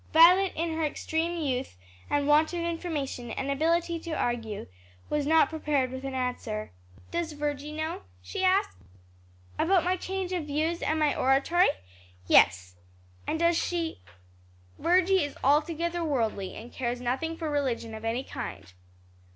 Violet in her extreme youth and want of information and ability to argue, was not prepared with an answer. "Does Virgy know?" she asked. "About my change of views and my oratory? Yes." "And does she " "Virgy is altogether worldly, and cares nothing for religion of any kind."